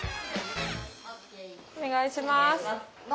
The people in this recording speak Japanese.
お願いします。